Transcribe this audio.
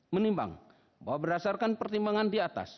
menimbang bahwa berdasarkan pertimbangan di atas